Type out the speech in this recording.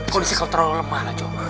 kondisi kau terlalu lemah lah